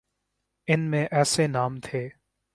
ان میں ایسے نام تھے۔